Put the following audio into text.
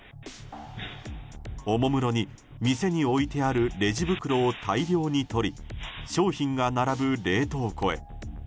おもむろに店に置いてあるレジ袋を大量に取り商品が並ぶ冷凍庫へ。